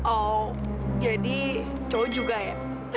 oh jadi cowok juga ya